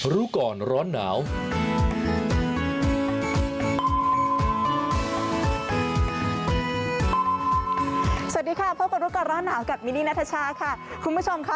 สวัสดีค่ะพบกับร้อนหนาวกับนาทชาค่ะคุณผู้ชมค่ะ